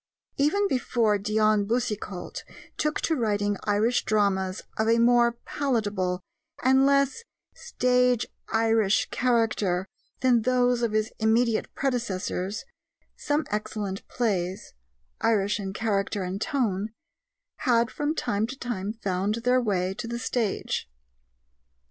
Even before Dion Boucicault took to writing Irish dramas of a more palatable and less "stage Irish" character than those of his immediate predecessors, some excellent plays, Irish in character and tone, had from time to time found their way to the stage.